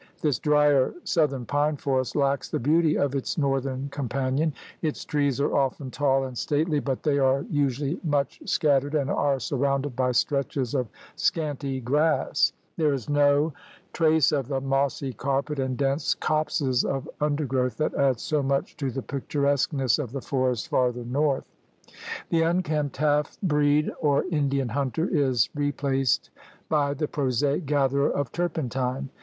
This drier south ern pine forest lacks the beauty of its northern companion. Its trees are often tall and stately, but they are usually much scattered and are sur rounded by stretches of scanty grass. There is no THE GARMENT OF VEGETATION 95 trace of the mossy carpet and dense copses of under growth that add so much to the picturesqueness of the forests farther north. The unkempt half breed or Indian hunter is replaced by the prosaic gatherer of turpentine.